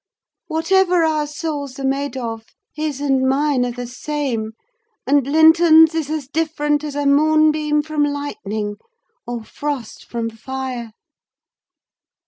Whatever our souls are made of, his and mine are the same; and Linton's is as different as a moonbeam from lightning, or frost from fire."